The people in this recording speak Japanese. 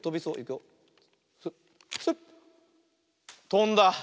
とんだ。